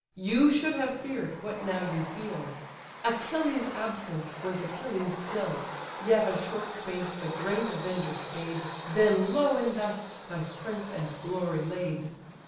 you should have fear'd, what now you feel; Achilles absent was Achilles still: Yet a short space the great avenger stayed, Then low in dust thy strength and glory laid.